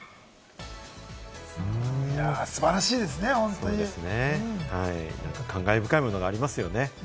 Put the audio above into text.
いや、素晴らしいですね、感慨深いものがありますよね。